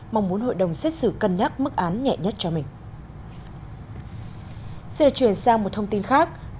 mong muốn hội đồng xét xử cân nhắc mức án nhẹ nhất cho mình